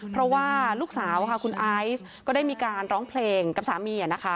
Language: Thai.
เพราะว่าลูกสาวคุณไอซ์ก็ได้มีการร้องเพลงกับสามี